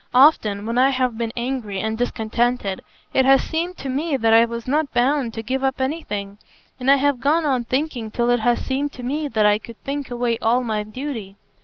"Often, when I have been angry and discontented, it has seemed to me that I was not bound to give up anything; and I have gone on thinking till it has seemed to me that I could think away all my duty.